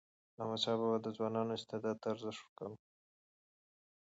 احمدشاه بابا د ځوانانو استعداد ته ارزښت ورکاوه.